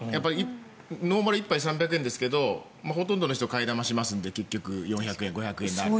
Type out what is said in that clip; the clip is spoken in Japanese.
ノーマル１杯３００円ですがほとんどの人が替え玉をしますので４００円、５００円とか。